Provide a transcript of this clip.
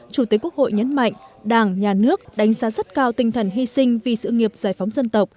chủ tịch quốc hội nhấn mạnh đảng nhà nước đánh giá rất cao tinh thần hy sinh vì sự nghiệp giải phóng dân tộc